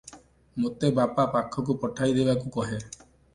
ମୋତେ ବାପା ପାଖକୁ ପଠାଇ ଦେବାକୁ କହେ ।